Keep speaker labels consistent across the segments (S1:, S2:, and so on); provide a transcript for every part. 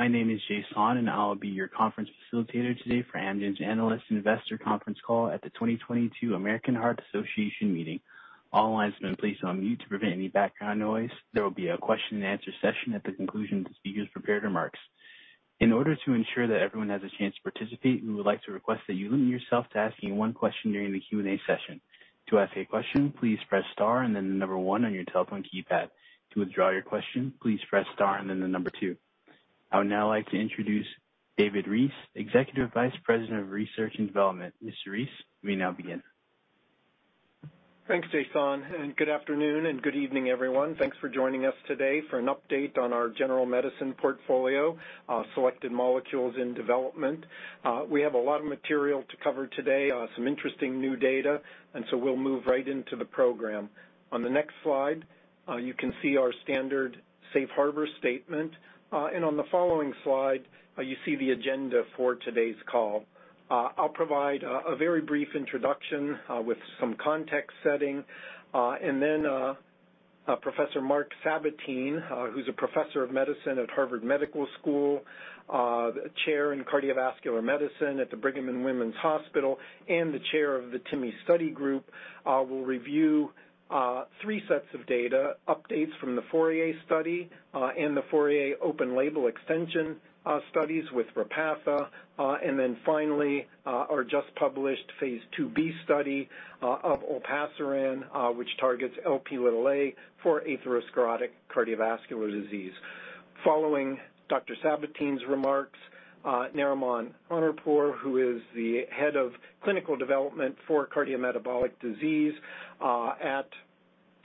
S1: My name is Jason, and I'll be your conference facilitator today for Amgen's Analyst Investor Conference Call at the 2022 American Heart Association meeting. All lines have been placed on mute to prevent any background noise. There will be a question and answer session at the conclusion of the speakers' prepared remarks. In order to ensure that everyone has a chance to participate, we would like to request that you limit yourself to asking one question during the Q&A session. To ask a question, please press star and then the number one on your telephone keypad. To withdraw your question, please press star and then the number two. I would now like to introduce David Reese, Executive Vice President of Research and Development. Mr. Reese, you may now begin.
S2: Thanks, Jason, Good afternoon and good evening, everyone. Thanks for joining us today for an update on our general medicine portfolio, selected molecules in development. We have a lot of material to cover today, some interesting new data, So we'll move right into the program. On the next slide, you can see our standard safe harbor statement. On the following slide, you see the agenda for today's call. I'll provide a very brief introduction with some context setting. Then Professor Marc S. Sabatine, who's a Professor of Medicine at Harvard Medical School, Chair in Cardiovascular Medicine at the Brigham and Women's Hospital, and the chair of the TIMI Study Group, will review three sets of data, updates from the FOURIER study and the FOURIER open-label extension studies with Repatha. Then finally, our just published phase II-B study of olpasiran, which targets Lp(a) for atherosclerotic cardiovascular disease. Following Dr. Sabatine's remarks, Narimon Honarpour, who is the head of clinical development for cardiometabolic disease at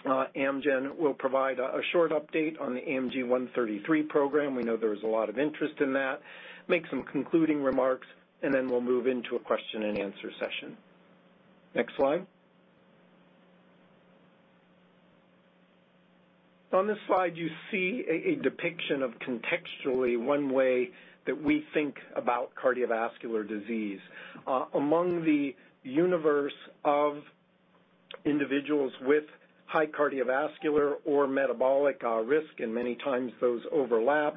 S2: Amgen, will provide a short update on the AMG 133 program, we know there is a lot of interest in that, make some concluding remarks. Then we'll move into a question and answer session. Next slide. On this slide, you see a depiction of contextually one way that we think about cardiovascular disease. Among the universe of individuals with high cardiovascular or metabolic risk, Many times those overlap,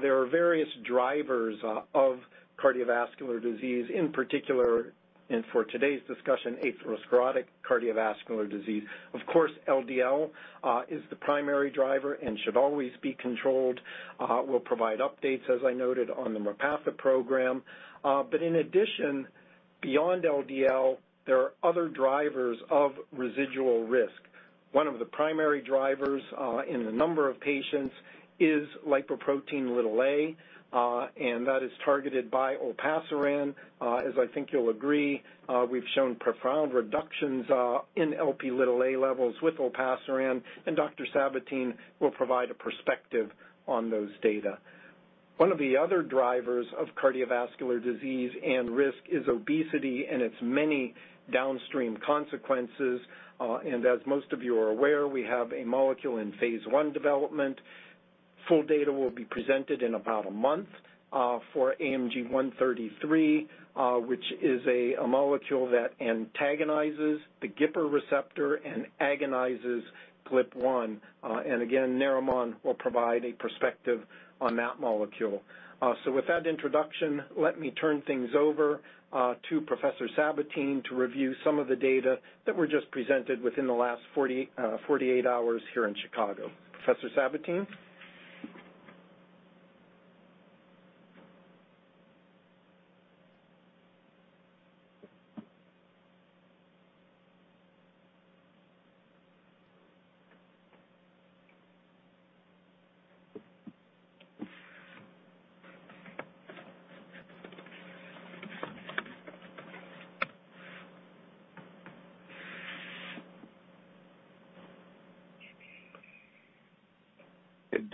S2: there are various drivers of cardiovascular disease, in particular, For today's discussion, atherosclerotic cardiovascular disease. Of course, LDL is the primary driver and should always be controlled. We'll provide updates, as I noted, on the Repatha program. In addition, beyond LDL, there are other drivers of residual risk. One of the primary drivers in the number of patients is lipoprotein(a), and that is targeted by olpasiran. As I think you'll agree, we've shown profound reductions in Lp(a) levels with olpasiran. Dr. Sabatine will provide a perspective on those data. One of the other drivers of cardiovascular disease and risk is obesity and its many downstream consequences. As most of you are aware, we have a molecule in phase I development. Full data will be presented in about a month for AMG 133, which is a molecule that antagonizes the GIPR receptor and agonizes GLP-1. Again, Narimon will provide a perspective on that molecule. With that introduction, let me turn things over to Professor Sabatine to review some of the data that were just presented within the last 48 hours here in Chicago. Professor Sabatine?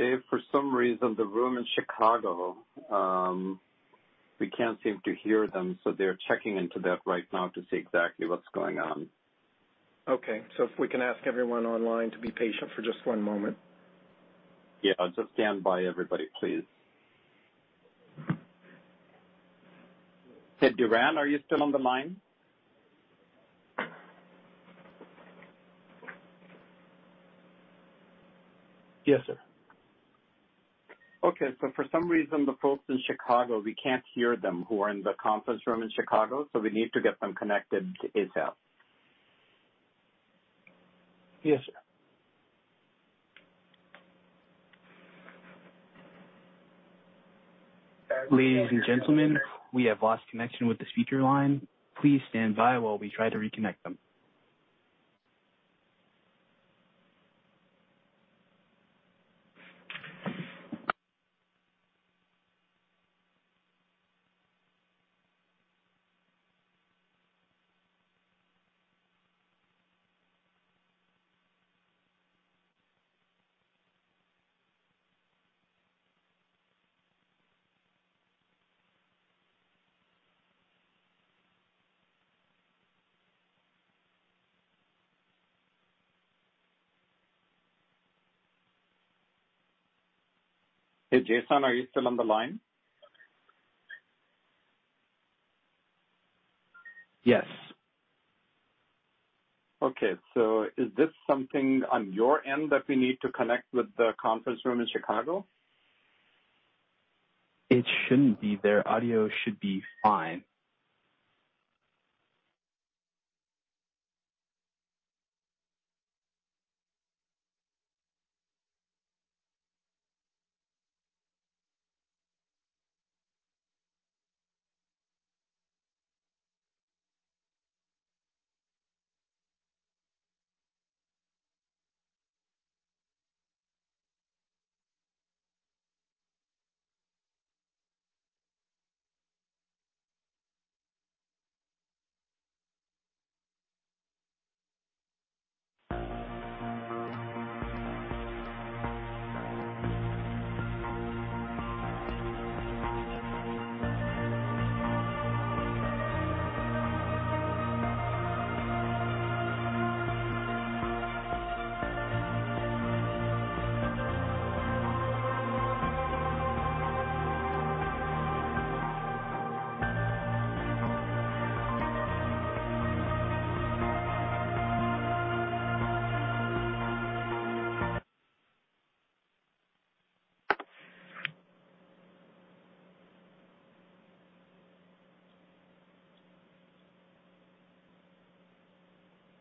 S3: David, for some reason, the room in Chicago, we can't seem to hear them, so they're checking into that right now to see exactly what's going on.
S2: Okay. If we can ask everyone online to be patient for just one moment.
S3: Yeah. Just stand by, everybody, please. Hey, Duran, are you still on the line?
S4: Yes, sir.
S3: Okay. For some reason, the folks in Chicago, we can't hear them who are in the conference room in Chicago, so we need to get them connected to ASAP.
S4: Yes, sir.
S1: Ladies and gentlemen, we have lost connection with the speaker line. Please stand by while we try to reconnect them.
S3: Hey, Jason, are you still on the line?
S1: Yes.
S3: Okay. Is this something on your end that we need to connect with the conference room in Chicago?
S1: It shouldn't be. Their audio should be fine.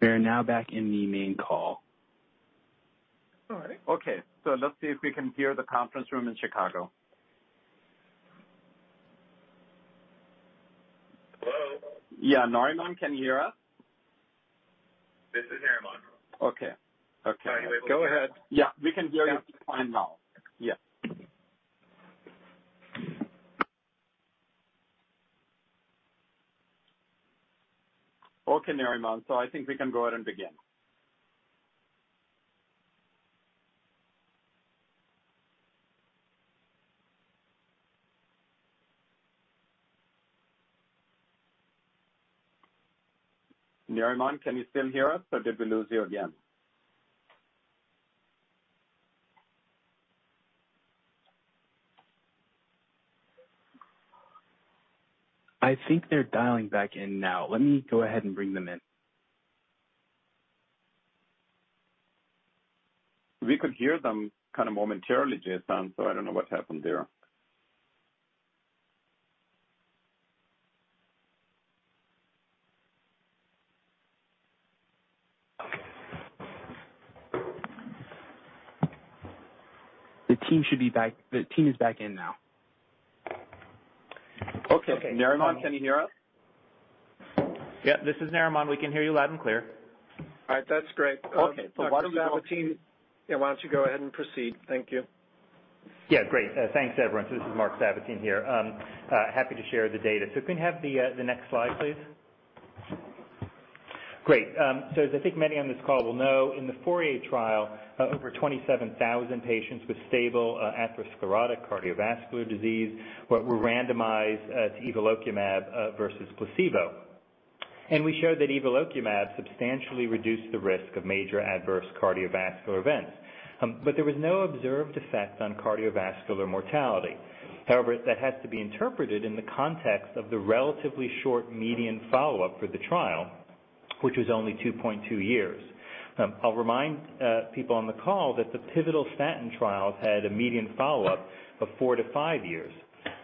S1: We are now back in the main call.
S3: All right. Okay, let's see if we can hear the conference room in Chicago.
S5: Hello?
S3: Yeah. Narimon, can you hear us?
S5: This is Narimon.
S3: Okay.
S5: Sorry.
S3: Go ahead. Yeah, we can hear you fine now. Yeah. Okay, Narimon. I think we can go ahead and begin. Narimon, can you still hear us or did we lose you again?
S1: I think they're dialing back in now. Let me go ahead and bring them in.
S3: We could hear them kind of momentarily, Jason, so I don't know what happened there.
S1: The team is back in now.
S3: Okay. Narimon, can you hear us?
S5: Yeah. This is Narimon. We can hear you loud and clear.
S3: All right. That's great.
S5: Okay. why don't you.
S3: Dr. Sabatine, why don't you go ahead and proceed? Thank you.
S6: Yeah. Great. Thanks, everyone. This is Marc Sabatine here. Happy to share the data. If we can have the next slide, please. Great. As I think many on this call will know, in the FOURIER trial, over 27,000 patients with stable atherosclerotic cardiovascular disease were randomized to evolocumab versus placebo. We showed that evolocumab substantially reduced the risk of major adverse cardiovascular events. There was no observed effect on cardiovascular mortality. However, that has to be interpreted in the context of the relatively short median follow-up for the trial, which was only 2.2 years. I'll remind people on the call that the pivotal statin trials had a median follow-up of four to five years,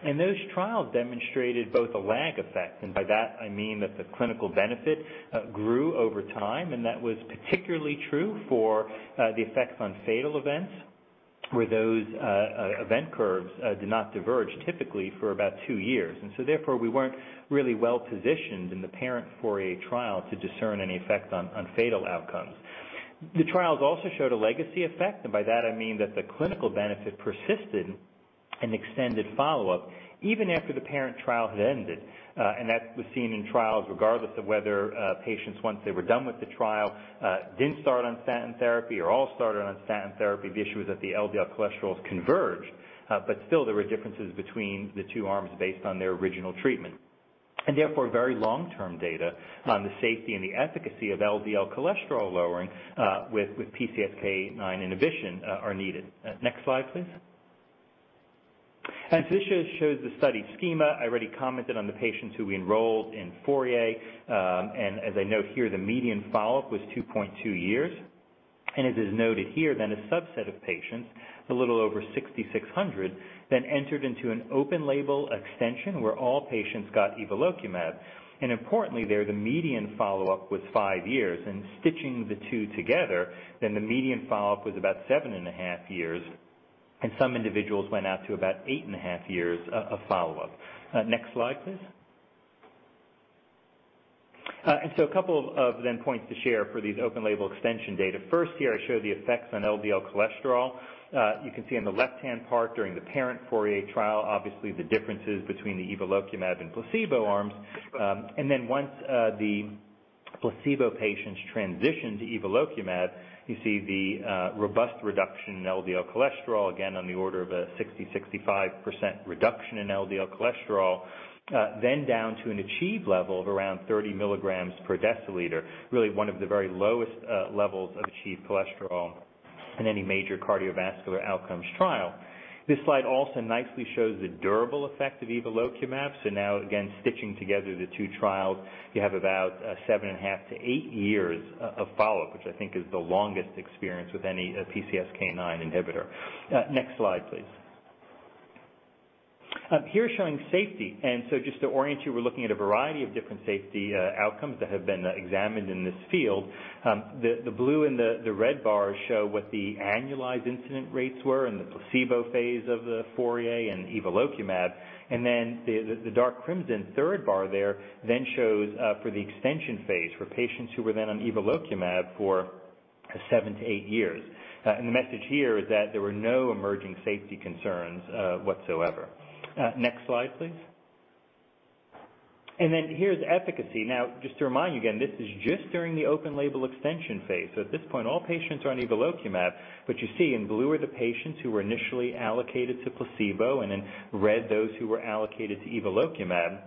S6: and those trials demonstrated both a lag effect, and by that I mean that the clinical benefit grew over time, and that was particularly true for the effects on fatal events, where those event curves did not diverge, typically for about two years. Therefore, we weren't really well-positioned in the parent FOURIER trial to discern any effect on fatal outcomes. The trials also showed a legacy effect, and by that I mean that the clinical benefit persisted in extended follow-up even after the parent trial had ended. That was seen in trials regardless of whether patients, once they were done with the trial, didn't start on statin therapy or all started on statin therapy. The issue is that the LDL cholesterols converged. Still, there were differences between the two arms based on their original treatment. Therefore, very long-term data on the safety and the efficacy of LDL cholesterol lowering with PCSK9 inhibition are needed. Next slide, please. This just shows the study schema. I already commented on the patients who we enrolled in FOURIER. As I note here, the median follow-up was 2.2 years. As is noted here, a subset of patients, a little over 6,600, then entered into an open-label extension where all patients got evolocumab. Importantly there, the median follow-up was five years. Stitching the two together, the median follow-up was about seven and a half years, and some individuals went out to about eight and a half years of follow-up. Next slide, please. A couple of points to share for these open-label extension data. First, here I show the effects on LDL cholesterol. You can see on the left-hand part during the parent FOURIER trial, obviously the differences between the evolocumab and placebo arms. Once the placebo patients transitioned to evolocumab, you see the robust reduction in LDL cholesterol, again on the order of a 60%-65% reduction in LDL cholesterol. Down to an achieved level of around 30 milligrams per deciliter, really one of the very lowest levels of achieved cholesterol in any major cardiovascular outcomes trial. This slide also nicely shows the durable effect of evolocumab. Now, again, stitching together the two trials, you have about seven and a half to eight years of follow-up, which I think is the longest experience with any PCSK9 inhibitor. Next slide, please. Here, showing safety. Just to orient you, we're looking at a variety of different safety outcomes that have been examined in this field. The blue and the red bars show what the annualized incident rates were in the placebo phase of the FOURIER and evolocumab. The dark crimson third bar there then shows for the extension phase for patients who were then on evolocumab for seven to eight years. The message here is that there were no emerging safety concerns whatsoever. Next slide, please. Here's efficacy. Just to remind you again, this is just during the open-label extension phase. At this point, all patients are on evolocumab. You see in blue are the patients who were initially allocated to placebo, and in red, those who were allocated to evolocumab.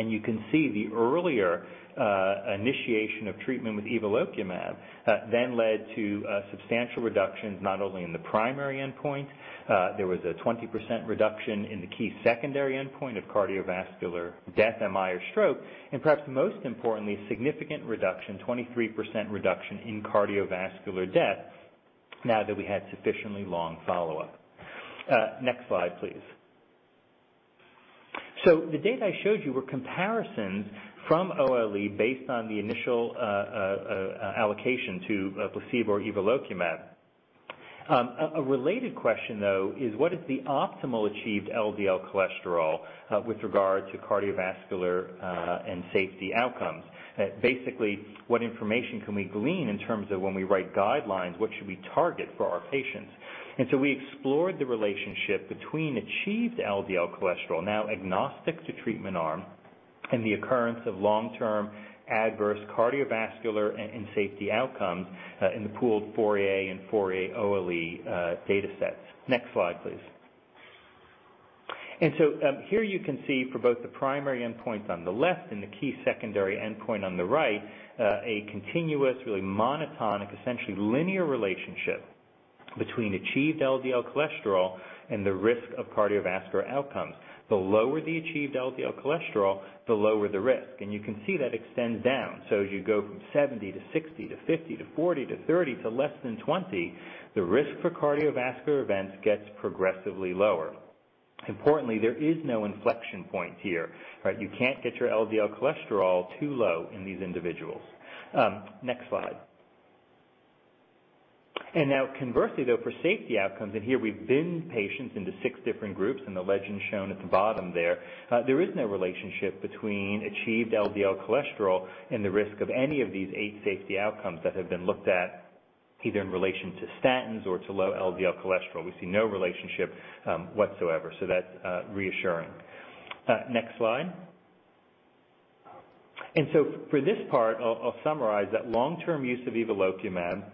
S6: You can see the earlier initiation of treatment with evolocumab then led to substantial reductions, not only in the primary endpoint. There was a 20% reduction in the key secondary endpoint of cardiovascular death, MI or stroke, and perhaps most importantly, significant reduction, 23% reduction in cardiovascular death now that we had sufficiently long follow-up. Next slide, please. The data I showed you were comparisons from OLE based on the initial allocation to placebo or evolocumab. A related question, though, is what is the optimal achieved LDL cholesterol with regard to cardiovascular and safety outcomes? Basically, what information can we glean in terms of when we write guidelines, what should we target for our patients? We explored the relationship between achieved LDL cholesterol, now agnostic to treatment arm, and the occurrence of long-term adverse cardiovascular and safety outcomes in the pooled FOURIER and FOURIER-OLE datasets. Next slide, please. Here you can see for both the primary endpoint on the left and the key secondary endpoint on the right, a continuous, really monotonic, essentially linear relationship between achieved LDL cholesterol and the risk of cardiovascular outcomes. The lower the achieved LDL cholesterol, the lower the risk. You can see that extends down. As you go from 70 to 60 to 50 to 40 to 30 to less than 20, the risk for cardiovascular events gets progressively lower. Importantly, there is no inflection point here. You can't get your LDL cholesterol too low in these individuals. Next slide. Now conversely, though, for safety outcomes, here we've binned patients into six different groups in the legend shown at the bottom there. There is no relationship between achieved LDL cholesterol and the risk of any of these eight safety outcomes that have been looked at, either in relation to statins or to low LDL cholesterol. We see no relationship whatsoever. That's reassuring. Next slide. For this part, I'll summarize that long-term use of evolocumab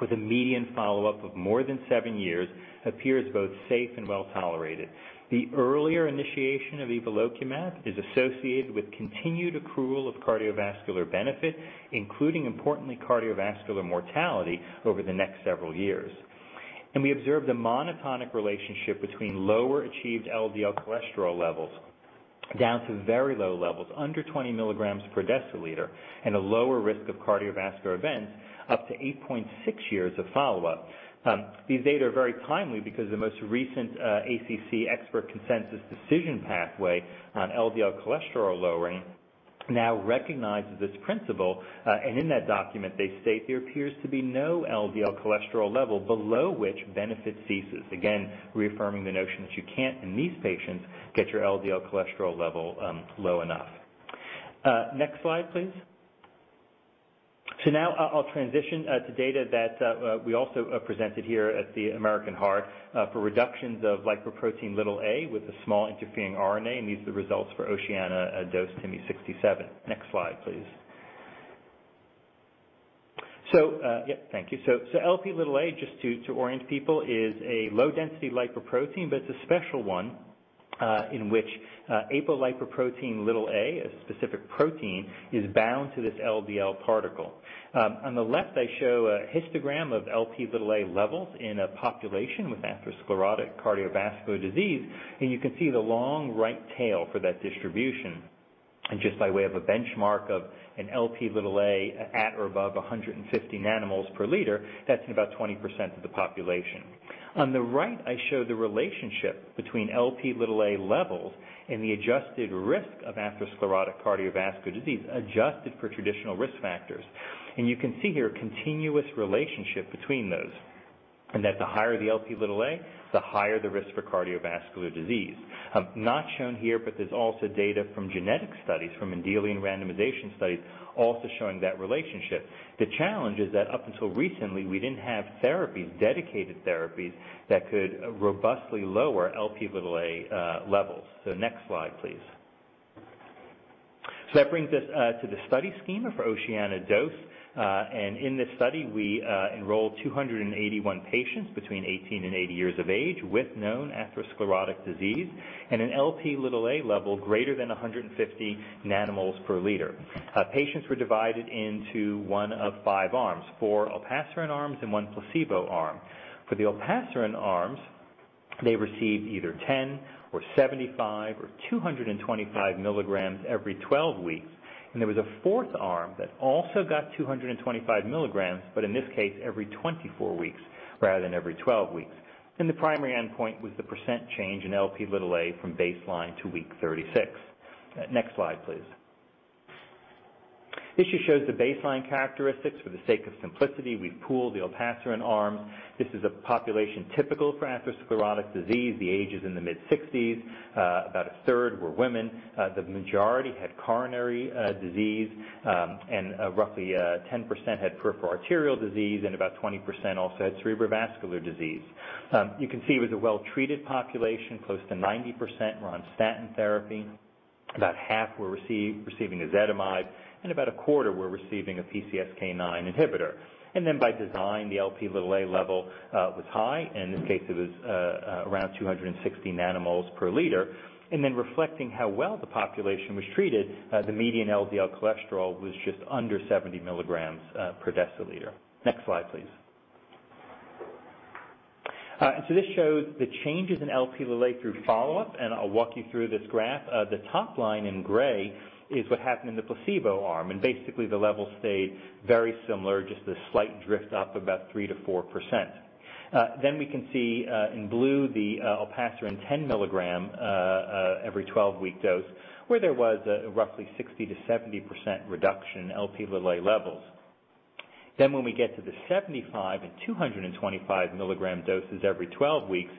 S6: with a median follow-up of more than seven years appears both safe and well-tolerated. The earlier initiation of evolocumab is associated with continued accrual of cardiovascular benefit, including, importantly, cardiovascular mortality over the next several years. We observed a monotonic relationship between lower achieved LDL cholesterol levels down to very low levels, under 20 milligrams per deciliter and a lower risk of cardiovascular events up to 8.6 years of follow-up. These data are very timely because the most recent ACC Expert Consensus Decision Pathway on LDL cholesterol lowering now recognizes this principle. In that document, they state there appears to be no LDL cholesterol level below which benefit ceases. Again, reaffirming the notion that you can't, in these patients, get your LDL cholesterol level low enough. Next slide, please. Now I'll transition to data that we also presented here at the American Heart for reductions of lipoprotein with a small interfering RNA, and these are the results for OCEAN(a)-DOSE TIMI 67. Next slide, please. Thank you. Lp(a), just to orient people, is a low-density lipoprotein, but it's a special one in which apolipoprotein(a), a specific protein, is bound to this LDL particle. On the left, I show a histogram of Lp(a) levels in a population with atherosclerotic cardiovascular disease, and you can see the long right tail for that distribution. Just by way of a benchmark of an Lp(a) at or above 150 nanomol per liter, that's in about 20% of the population. On the right, I show the relationship between Lp(a) levels and the adjusted risk of atherosclerotic cardiovascular disease, adjusted for traditional risk factors. You can see here a continuous relationship between those, and that the higher the Lp(a), the higher the risk for cardiovascular disease. Not shown here, but there's also data from genetic studies, from Mendelian randomization studies also showing that relationship. The challenge is that up until recently, we didn't have therapies, dedicated therapies, that could robustly lower Lp(a) levels. Next slide, please. That brings us to the study scheme for OCEAN(a)-DOSE. In this study, we enrolled 281 patients between 18 and 80 years of age with known atherosclerotic disease and an Lp(a) level greater than 150 nanomol per liter. Patients were divided into one of 5 arms, 4 olpasiran arms and 1 placebo arm. For the olpasiran arms- They received either 10 or 75 or 225 milligrams every 12 weeks, and there was a fourth arm that also got 225 milligrams, but in this case, every 24 weeks rather than every 12 weeks. The primary endpoint was the % change in Lp(a) from baseline to week 36. Next slide, please. This just shows the baseline characteristics. For the sake of simplicity, we pooled the olpasiran arms. This is a population typical for atherosclerotic disease. The age is in the mid-60s. About a third were women. The majority had coronary disease, and roughly 10% had peripheral arterial disease, and about 20% also had cerebrovascular disease. You can see it was a well-treated population. Close to 90% were on statin therapy, about half were receiving ezetimibe, and about a quarter were receiving a PCSK9 inhibitor. By design, the Lp(a) level was high, and in this case, it was around 260 nanomoles per liter. Reflecting how well the population was treated, the median LDL cholesterol was just under 70 milligrams per deciliter. Next slide, please. This shows the changes in Lp(a) through follow-up, and I'll walk you through this graph. The top line in gray is what happened in the placebo arm, and basically the level stayed very similar, just a slight drift up, about 3%-4%. We can see in blue the olpasiran 10 mg every 12-week dose, where there was a roughly 60%-70% reduction in Lp(a) levels. When we get to the 75 and 225 mg doses every 12 weeks,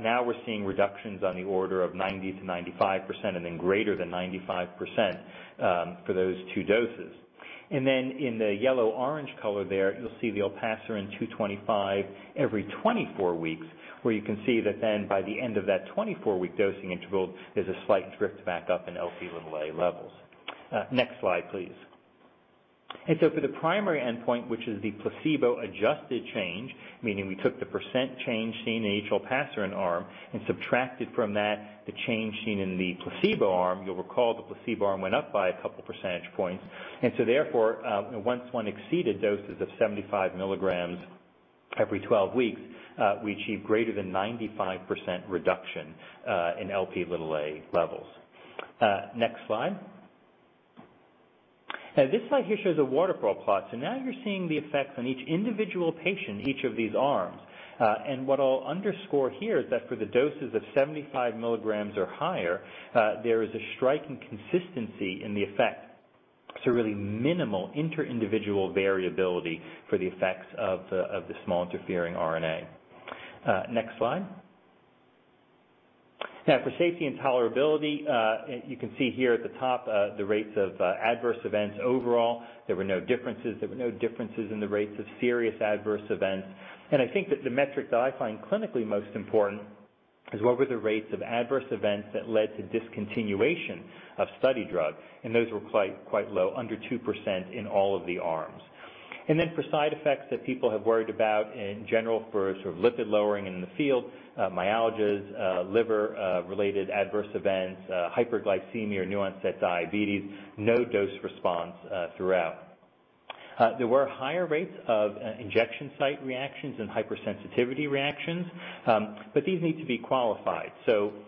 S6: now we're seeing reductions on the order of 90%-95%, and then greater than 95% for those two doses. In the yellow-orange color there, you'll see the olpasiran 225 every 24 weeks, where you can see that then by the end of that 24-week dosing interval, there's a slight drift back up in Lp(a) levels. Next slide, please. For the primary endpoint, which is the placebo-adjusted change, meaning we took the percent change seen in each olpasiran arm and subtracted from that the change seen in the placebo arm. You'll recall the placebo arm went up by a couple percentage points. Therefore, once one exceeded doses of 75 mg every 12 weeks, we achieved greater than 95% reduction in Lp(a) levels. Next slide. This slide here shows a waterfall plot. Now you're seeing the effects on each individual patient in each of these arms. What I'll underscore here is that for the doses of 75 mg or higher, there is a striking consistency in the effect. Really minimal inter-individual variability for the effects of the small interfering RNA. Next slide. For safety and tolerability, you can see here at the top the rates of adverse events. Overall, there were no differences. There were no differences in the rates of serious adverse events. I think that the metric that I find clinically most important is what were the rates of adverse events that led to discontinuation of study drug? Those were quite low, under 2% in all of the arms. For side effects that people have worried about in general for lipid lowering in the field, myalgias, liver-related adverse events, hyperglycemia, new onset diabetes, no dose response throughout. There were higher rates of injection site reactions and hypersensitivity reactions, but these need to be qualified.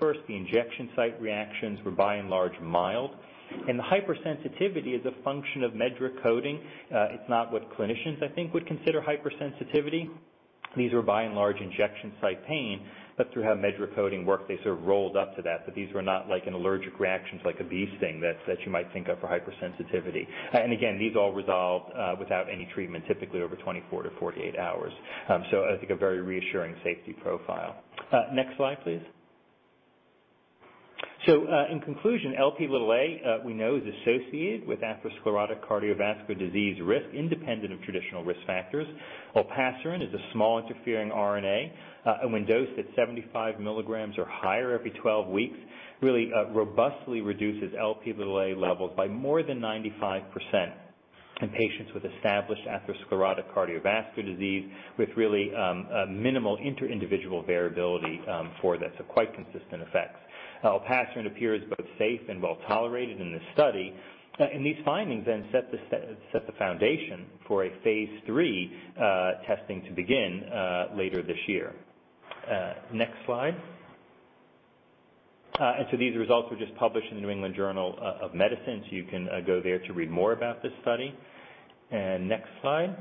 S6: First, the injection site reactions were by and large mild, and the hypersensitivity is a function of MedDRA coding. It's not what clinicians, I think, would consider hypersensitivity. These were by and large injection site pain, but through how MedDRA coding worked, they sort of rolled up to that. These were not like an allergic reactions like a bee sting that you might think of for hypersensitivity. Again, these all resolved without any treatment, typically over 24-48 hours. I think a very reassuring safety profile. Next slide, please. In conclusion, Lp(a) we know is associated with atherosclerotic cardiovascular disease risk independent of traditional risk factors. Olpasiran is a small interfering RNA, and when dosed at 75 mg or higher every 12 weeks, really robustly reduces Lp(a) levels by more than 95% in patients with established atherosclerotic cardiovascular disease with really minimal inter-individual variability for this. Quite consistent effects. Olpasiran appears both safe and well-tolerated in this study, these findings then set the foundation for a phase III testing to begin later this year. Next slide. These results were just published in The New England Journal of Medicine you can go there to read more about this study. Next slide.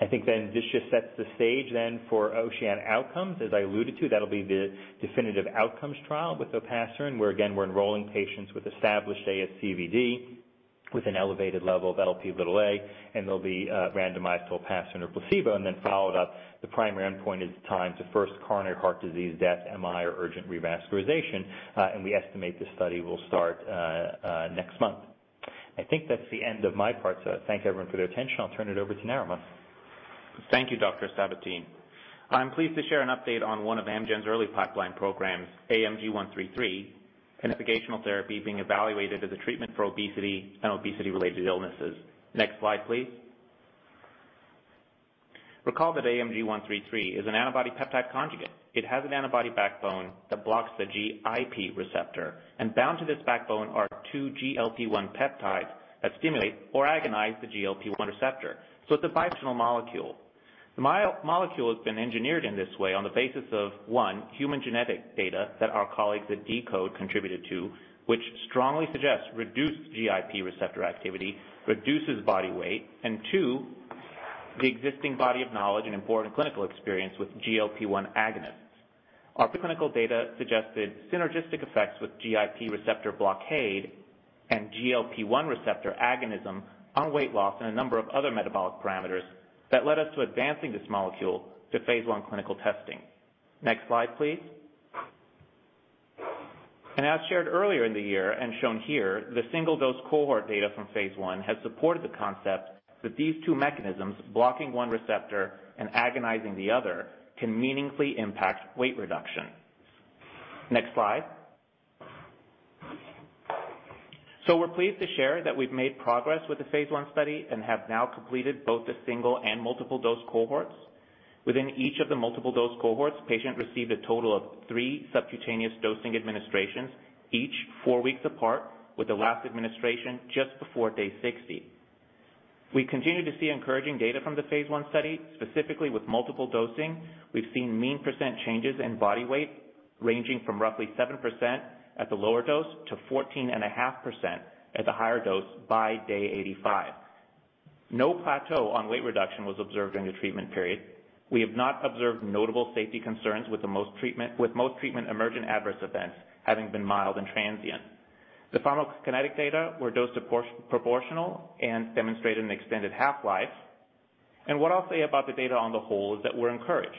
S6: This just sets the stage then for OCEAN(a)-Outcomes, as I alluded to. That will be the definitive outcomes trial with olpasiran, where again, we're enrolling patients with established ASCVD with an elevated level of Lp(a). They'll be randomized to olpasiran or placebo and then followed up. The primary endpoint is time to first coronary heart disease, death, MI or urgent revascularization. We estimate this study will start next month. I think that's the end of my part, so thank everyone for their attention. I'll turn it over to Narimon.
S5: Thank you, Dr. Sabatine. I'm pleased to share an update on one of Amgen's early pipeline programs, AMG 133, an investigational therapy being evaluated as a treatment for obesity and obesity-related illnesses. Next slide, please. Recall that AMG 133 is an antibody-peptide conjugate. It has an antibody backbone that blocks the GIP receptor. Bound to this backbone are two GLP-1 peptides that stimulate or agonize the GLP-1 receptor. It's a bi-functional molecule. The molecule has been engineered in this way on the basis of, one, human genetic data that our colleagues at deCODE contributed to, which strongly suggests reduced GIP receptor activity reduces body weight, and two, the existing body of knowledge and important clinical experience with GLP-1 agonists. Our preclinical data suggested synergistic effects with GIP receptor blockade and GLP-1 receptor agonism on weight loss and a number of other metabolic parameters that led us to advancing this molecule to phase I clinical testing. Next slide, please. As shared earlier in the year and shown here, the single-dose cohort data from phase I has supported the concept that these two mechanisms, blocking one receptor and agonizing the other, can meaningfully impact weight reduction. Next slide. We're pleased to share that we've made progress with the phase I study and have now completed both the single and multiple dose cohorts. Within each of the multiple dose cohorts, patients received a total of three subcutaneous dosing administrations, each four weeks apart, with the last administration just before day 60. We continue to see encouraging data from the phase I study, specifically with multiple dosing. We've seen mean percent changes in body weight ranging from roughly 7% at the lower dose to 14.5% at the higher dose by day 85. No plateau on weight reduction was observed during the treatment period. We have not observed notable safety concerns, with most treatment emergent adverse events having been mild and transient. The pharmacokinetic data were dose proportional and demonstrated an extended half-life. What I'll say about the data on the whole is that we're encouraged.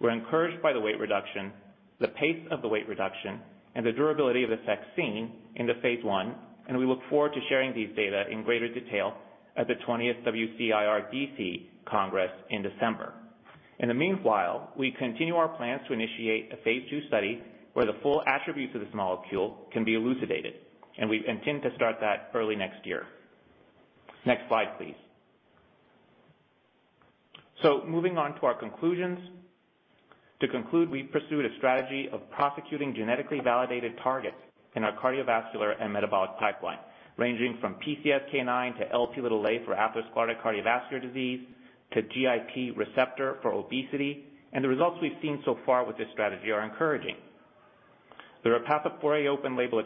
S5: We're encouraged by the weight reduction, the pace of the weight reduction, and the durability of the effects seen in the phase I. We look forward to sharing these data in greater detail at the 20th WCIRDC Congress in December. In the meanwhile, we continue our plans to initiate a phase II study where the full attributes of this molecule can be elucidated. We intend to start that early next year. Next slide, please. Moving on to our conclusions. To conclude, we pursued a strategy of prosecuting genetically validated targets in our cardiovascular and metabolic pipeline, ranging from PCSK9 to Lp(a) for atherosclerotic cardiovascular disease, to GIP receptor for obesity. The results we've seen so far with this strategy are encouraging. The Repatha FOURIER-OLE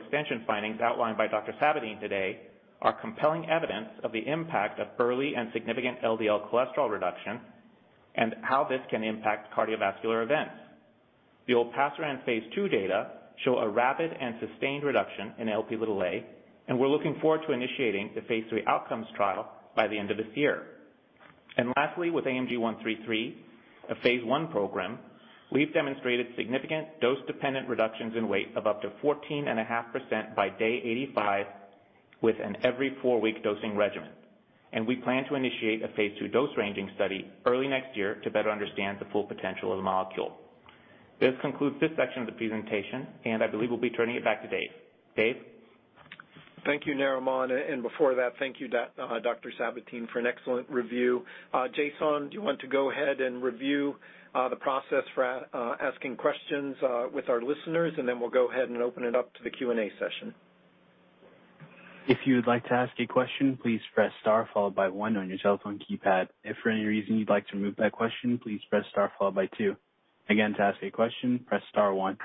S5: findings outlined by Dr. Sabatine today are compelling evidence of the impact of early and significant LDL-cholesterol reduction and how this can impact cardiovascular events. The olpasiran phase II data show a rapid and sustained reduction in Lp(a). We're looking forward to initiating the phase III outcomes trial by the end of this year. Lastly, with AMG 133, a phase I program, we've demonstrated significant dose-dependent reductions in weight of up to 14.5% by day 85 with an every-four-week dosing regimen. We plan to initiate a phase II dose ranging study early next year to better understand the full potential of the molecule. This concludes this section of the presentation. I believe we'll be turning it back to Dave. Dave?
S2: Thank you, Narimon. Before that, thank you, Dr. Sabatine, for an excellent review. Jason, do you want to go ahead and review the process for asking questions with our listeners, then we'll go ahead and open it up to the Q&A session?
S1: If you would like to ask a question, please press star followed by one on your telephone keypad. If for any reason you'd like to remove that question, please press star followed by two. Again, to ask a question, press star one.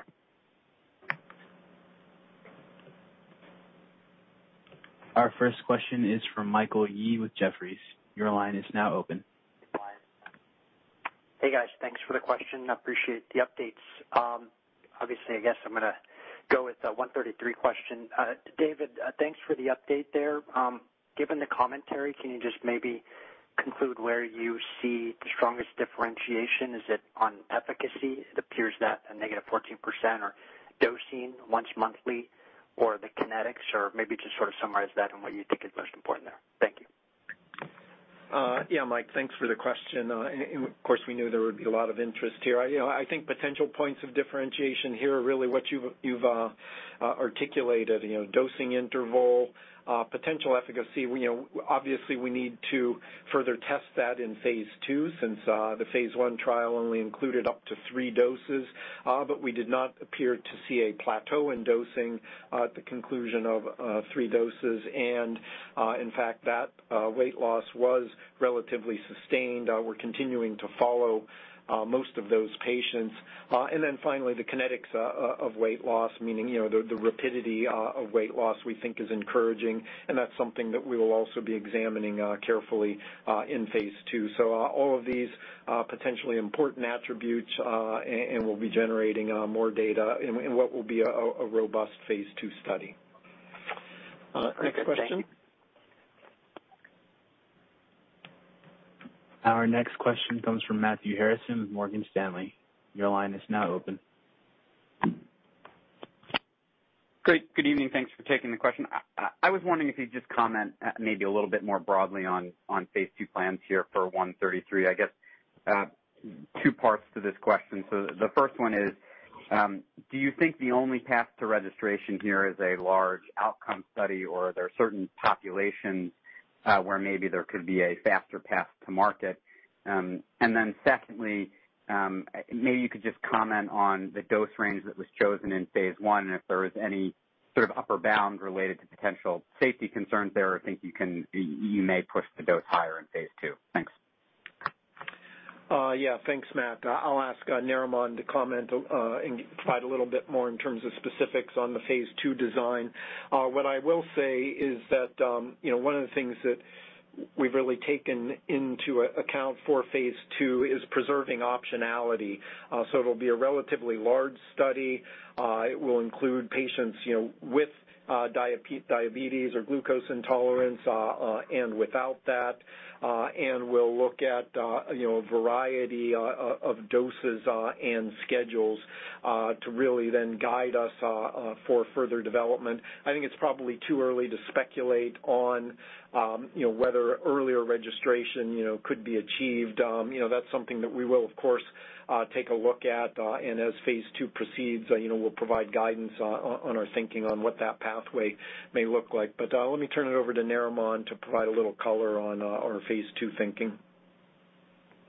S1: Our first question is from Michael Yee with Jefferies. Your line is now open.
S7: Hey, guys. Thanks for the question. I appreciate the updates. I guess I'm going to go with the 133 question. David, thanks for the update there. Given the commentary, can you just maybe conclude where you see the strongest differentiation? Is it on efficacy? It appears that a negative 14% or dosing once monthly or the kinetics, or maybe just sort of summarize that and what you think is most important there. Thank you.
S2: Yeah, Mike, thanks for the question. Of course, we knew there would be a lot of interest here. I think potential points of differentiation here are really what you've articulated. Dosing interval, potential efficacy. We need to further test that in phase II, since the phase I trial only included up to three doses. We did not appear to see a plateau in dosing at the conclusion of three doses, and in fact, that weight loss was relatively sustained. We're continuing to follow most of those patients. Finally, the kinetics of weight loss, meaning the rapidity of weight loss we think is encouraging, and that's something that we will also be examining carefully in phase II. All of these are potentially important attributes, and we'll be generating more data in what will be a robust phase II study. Next question?
S7: Great. Thank you.
S1: Our next question comes from Matthew Harrison with Morgan Stanley. Your line is now open.
S8: Great. Good evening. Thanks for taking the question. I was wondering if you'd just comment maybe a little bit more broadly on phase II plans here for AMG 133. I guess, two parts to this question. The first one is, do you think the only path to registration here is a large outcome study or are there certain populations where maybe there could be a faster path to market? Secondly, maybe you could just comment on the dose range that was chosen in phase I and if there was any sort of upper bound related to potential safety concerns there, or think you may push the dose higher in phase II. Thanks.
S2: Yeah. Thanks, Matt. I'll ask Narimon to comment and provide a little bit more in terms of specifics on the phase II design. What I will say is that one of the things that we've really taken into account for phase II is preserving optionality. It'll be a relatively large study. It will include patients with diabetes or glucose intolerance and without that, and we'll look at a variety of doses and schedules to really then guide us for further development. I think it's probably too early to speculate on whether earlier registration could be achieved. That's something that we will, of course, take a look at, and as phase II proceeds, we'll provide guidance on our thinking on what that pathway may look like. Let me turn it over to Narimon to provide a little color on our phase II thinking.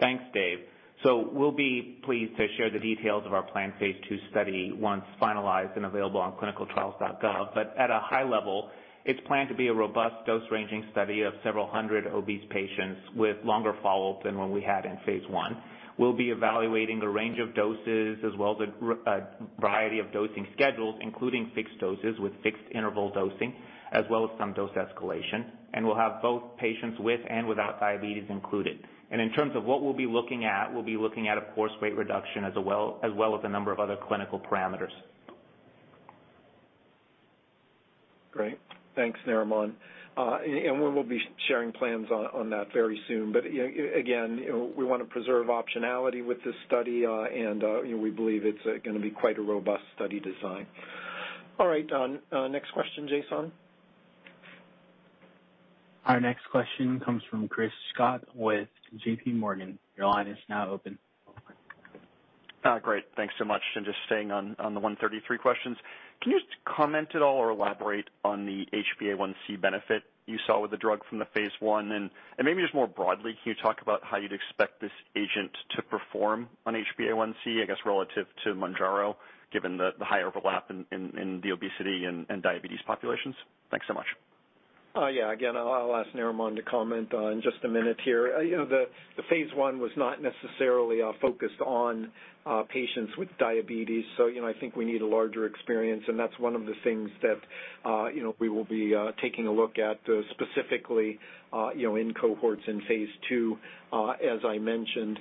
S5: Thanks, Dave. We'll be pleased to share the details of our planned phase II study once finalized and available on clinicaltrials.gov. At a high level, it's planned to be a robust dose-ranging study of several hundred obese patients with longer follow-up than what we had in phase I. We'll be evaluating a range of doses as well as a variety of dosing schedules, including fixed doses with fixed interval dosing, as well as some dose escalation. We'll have both patients with and without diabetes included. In terms of what we'll be looking at, of course, weight reduction, as well as a number of other clinical parameters.
S2: Great. Thanks, Narimon. We will be sharing plans on that very soon. Again, we want to preserve optionality with this study, and we believe it's going to be quite a robust study design. All right. Next question, Jason.
S1: Our next question comes from Chris Schott with J.P. Morgan. Your line is now open.
S9: Great. Thanks so much. Just staying on the 133 questions, can you just comment at all or elaborate on the HbA1c benefit you saw with the drug from the phase I? Maybe just more broadly, can you talk about how you'd expect this agent to perform on HbA1c, I guess, relative to Mounjaro, given the high overlap in the obesity and diabetes populations? Thanks so much.
S2: Yeah, again, I'll ask Narimon to comment in just a minute here. The phase I was not necessarily focused on patients with diabetes, I think we need a larger experience, and that's one of the things that we will be taking a look at specifically in cohorts in phase II, as I mentioned.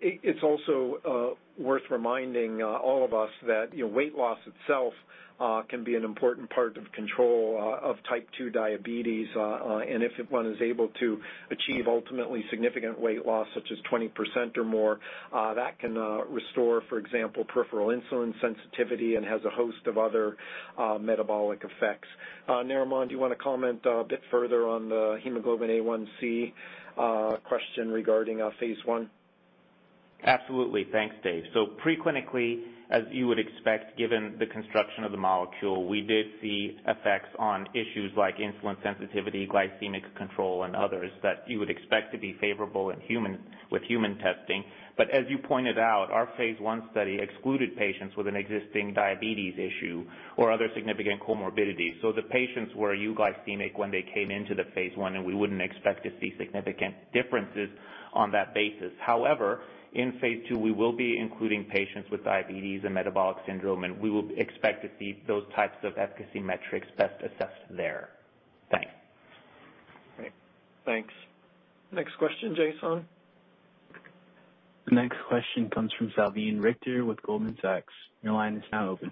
S2: It's also worth reminding all of us that weight loss itself can be an important part of control of type 2 diabetes. If one is able to achieve ultimately significant weight loss, such as 20% or more, that can restore, for example, peripheral insulin sensitivity and has a host of other metabolic effects. Narimon, do you want to comment a bit further on the hemoglobin A1c question regarding our phase I?
S5: Absolutely. Thanks, Dave. Preclinically, as you would expect, given the construction of the molecule, we did see effects on issues like insulin sensitivity, glycemic control, and others that you would expect to be favorable with human testing. As you pointed out, our phase I study excluded patients with an existing diabetes issue or other significant comorbidities. The patients were euglycemic when they came into the phase I, and we wouldn't expect to see significant differences on that basis. However, in phase II, we will be including patients with diabetes and metabolic syndrome, and we will expect to see those types of efficacy metrics best assessed there. Thanks.
S2: Great. Thanks. Next question, Jason.
S1: The next question comes from Salveen Richter with Goldman Sachs. Your line is now open.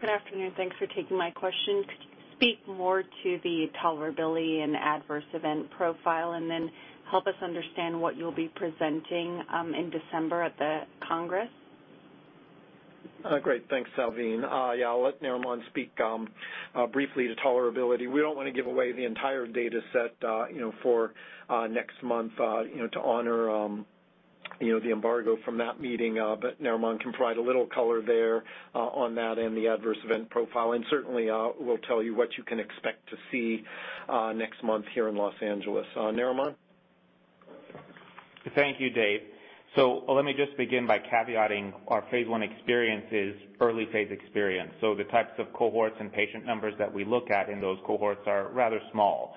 S10: Good afternoon. Thanks for taking my question. Could you speak more to the tolerability and adverse event profile, and then help us understand what you'll be presenting in December at the Congress?
S2: Great. Thanks, Salveen. Yeah, I'll let Narimon speak briefly to tolerability. We don't want to give away the entire data set for next month to honor the embargo from that meeting. Narimon can provide a little color there on that and the adverse event profile and certainly will tell you what you can expect to see next month here in Los Angeles. Narimon?
S5: Thank you, Dave. Let me just begin by caveating our phase I experience is early phase experience. The types of cohorts and patient numbers that we look at in those cohorts are rather small.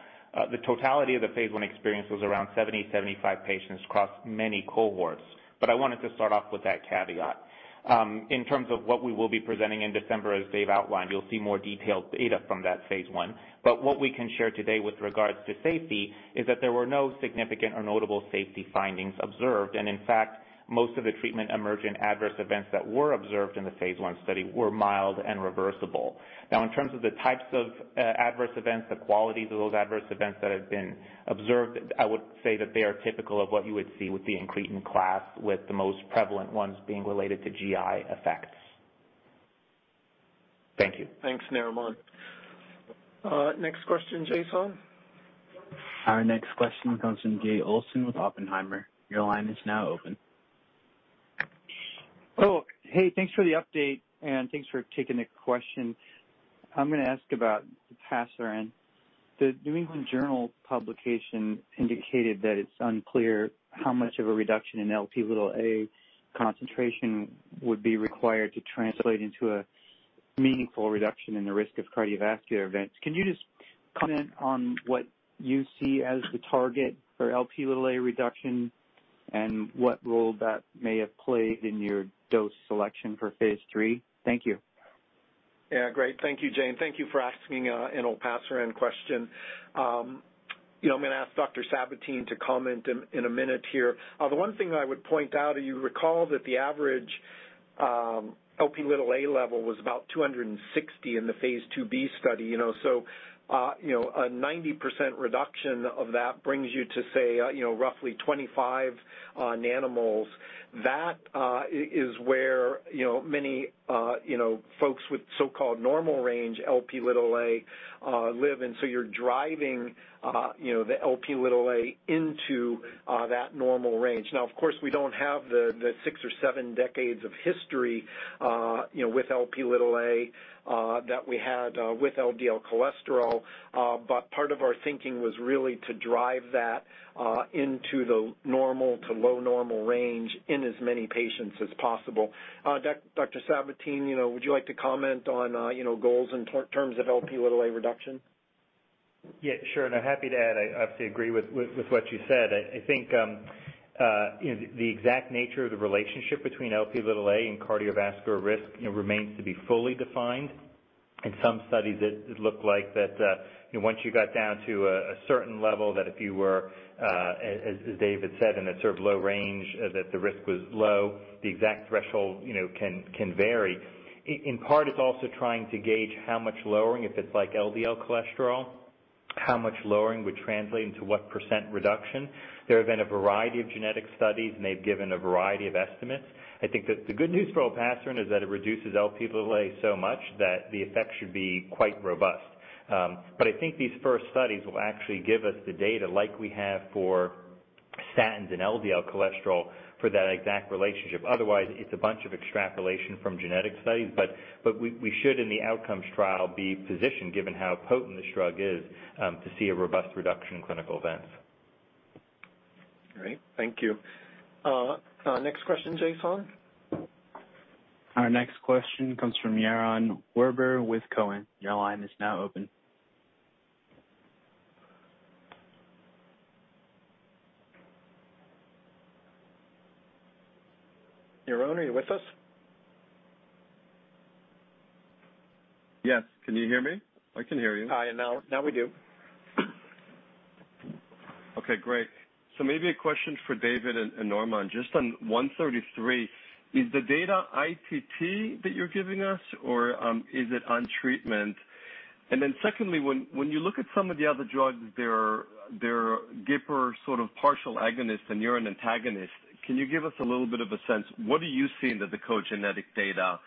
S5: The totality of the phase I experience was around 70, 75 patients across many cohorts. I wanted to start off with that caveat. In terms of what we will be presenting in December, as Dave outlined, you'll see more detailed data from that phase I. What we can share today with regards to safety is that there were no significant or notable safety findings observed. In fact, most of the treatment emergent adverse events that were observed in the phase I study were mild and reversible. Now, in terms of the types of adverse events, the qualities of those adverse events that have been observed, I would say that they are typical of what you would see with the incretin class, with the most prevalent ones being related to GI effects. Thank you.
S2: Thanks, Narimon. Next question, Jason.
S1: Our next question comes from Jay Olson with Oppenheimer. Your line is now open.
S11: Oh, hey, thanks for the update, and thanks for taking the question. The New England Journal publication indicated that it's unclear how much of a reduction in Lp(a) concentration would be required to translate into a meaningful reduction in the risk of cardiovascular events. Can you just comment on what you see as the target for Lp(a) reduction and what role that may have played in your dose selection for phase III. Thank you.
S2: Yeah, great. Thank you, Jay. Thank you for asking an olpasiran question. I'm going to ask Dr. Sabatine to comment in a minute here. The one thing that I would point out, you recall that the average Lp(a) level was about 260 in the phase IIb study. A 90% reduction of that brings you to roughly 25 nanomoles. That is where many folks with so-called normal range Lp(a) live in. You're driving the Lp(a) into that normal range. Now, of course, we don't have the six or seven decades of history with Lp(a) that we had with LDL cholesterol. Part of our thinking was really to drive that into the normal to low normal range in as many patients as possible. Dr. Sabatine, would you like to comment on goals in terms of Lp(a) reduction?
S6: Yeah, sure. I'm happy to add, I obviously agree with what you said. I think the exact nature of the relationship between Lp(a) and cardiovascular risk remains to be fully defined. In some studies, it looked like that once you got down to a certain level, that if you were, as David said, in a sort of low range, that the risk was low. The exact threshold can vary. In part, it's also trying to gauge how much lowering, if it's like LDL cholesterol, how much lowering would translate into what % reduction. There have been a variety of genetic studies, and they've given a variety of estimates. I think that the good news for olpasiran is that it reduces Lp(a) so much that the effect should be quite robust. I think these first studies will actually give us the data like we have for statins and LDL cholesterol for that exact relationship. Otherwise, it's a bunch of extrapolation from genetic studies, but we should, in the outcomes trial, be positioned, given how potent this drug is, to see a robust reduction in clinical events.
S2: Great. Thank you. Next question, Jason.
S1: Our next question comes from Yaron Werber with Cowen. Your line is now open.
S2: Yaron, are you with us?
S12: Yes. Can you hear me?
S2: I can hear you.
S12: Hi. Now we do. Okay, great. Maybe a question for David and Narimon. Just on 133, is the data ITT that you're giving us, or is it on treatment? Then secondly, when you look at some of the other drugs, they're GPCR sort of partial agonists, and you're an antagonist. Can you give us a little bit of a sense, what are you seeing that the pharmacogenetic data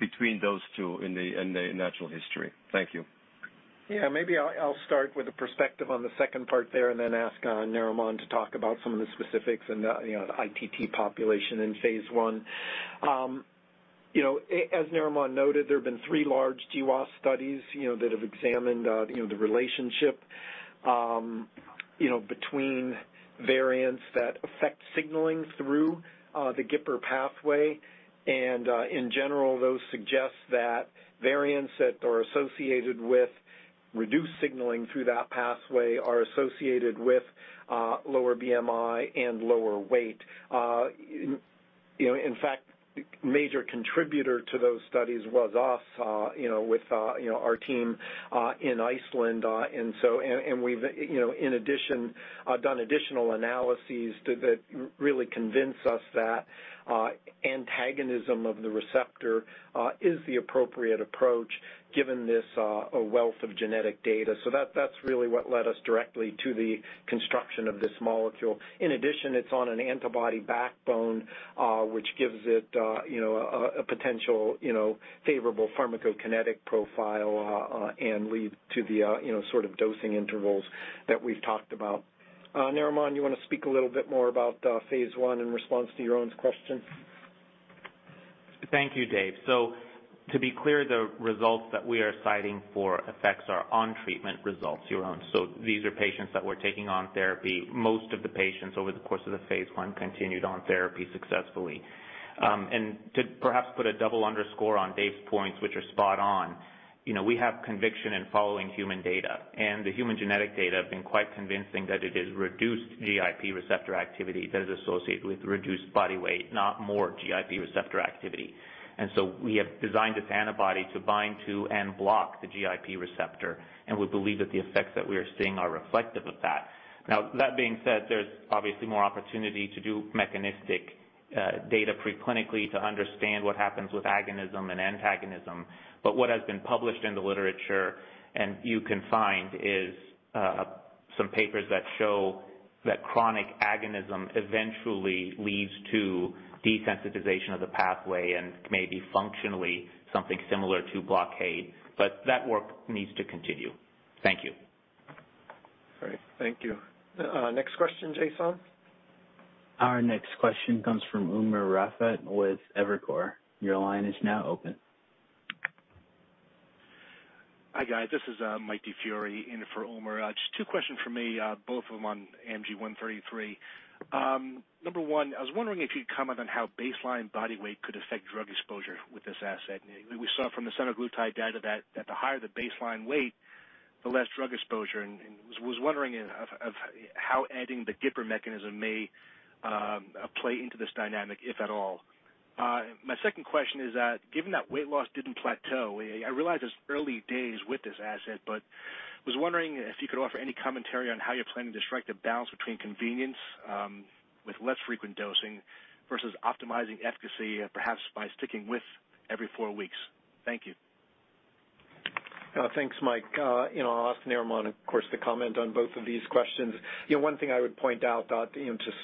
S12: between those two in the natural history? Thank you.
S2: Yeah, maybe I'll start with a perspective on the second part there and then ask Narimon to talk about some of the specifics and the ITT population in phase I. As Narimon noted, there have been three large GWAS studies that have examined the relationship between variants that affect signaling through the GPCR pathway. In general, those suggest that variants that are associated with reduced signaling through that pathway are associated with lower BMI and lower weight. In fact, major contributor to those studies was us with our team in Iceland. We've, in addition, done additional analyses that really convince us that antagonism of the receptor is the appropriate approach, given this wealth of genetic data. That's really what led us directly to the construction of this molecule. In addition, it's on an antibody backbone, which gives it a potential favorable pharmacokinetic profile and lead to the sort of dosing intervals that we've talked about. Narimon, you want to speak a little bit more about phase I in response to Yaron's question?
S5: Thank you, Dave. To be clear, the results that we are citing for effects are on-treatment results, Yaron. These are patients that we're taking on therapy. Most of the patients over the course of the phase I continued on therapy successfully. To perhaps put a double underscore on Dave's points, which are spot on, we have conviction in following human data, and the human genetic data have been quite convincing that it is reduced GIP receptor activity that is associated with reduced body weight, not more GIP receptor activity. We have designed this antibody to bind to and block the GIP receptor, and we believe that the effects that we are seeing are reflective of that. Now, that being said, there's obviously more opportunity to do mechanistic data preclinically to understand what happens with agonism and antagonism. What has been published in the literature and you can find is some papers that show that chronic agonism eventually leads to desensitization of the pathway and maybe functionally something similar to blockade. That work needs to continue. Thank you.
S2: Great. Thank you. Next question, Jason.
S1: Our next question comes from Umer Raffat with Evercore. Your line is now open.
S13: Hi, guys. This is Michael DiFiore in for Umer. Just two questions from me, both of them on AMG 133. Number one, I was wondering if you'd comment on how baseline body weight could affect drug exposure with this asset. We saw from the semaglutide data that the higher the baseline weight The less drug exposure, was wondering of how adding the GIPR mechanism may play into this dynamic, if at all. My second question is that given that weight loss didn't plateau, I realize it's early days with this asset, but was wondering if you could offer any commentary on how you're planning to strike the balance between convenience with less frequent dosing versus optimizing efficacy, perhaps by sticking with every 4 weeks. Thank you.
S2: Thanks, Mike. I'll ask Narimon, of course, to comment on both of these questions. One thing I would point out to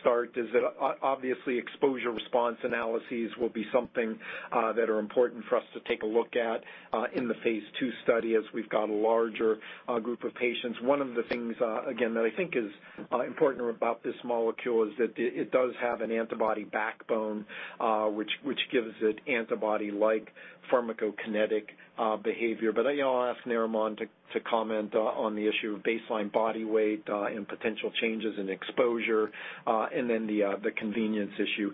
S2: start is that obviously exposure response analyses will be something that are important for us to take a look at in the phase II study as we've got a larger group of patients. One of the things, again, that I think is important about this molecule is that it does have an antibody backbone which gives it antibody-like pharmacokinetic behavior. I'll ask Narimon to comment on the issue of baseline body weight, and potential changes in exposure, and then the convenience issue.